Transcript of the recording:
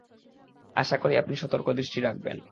আশা করি, আপনি সতর্ক দৃষ্টি রাখবেন।